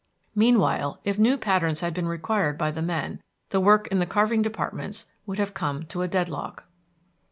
Meanwhile, if new patterns had been required by the men, the work in the carving departments would have come to a dead lock.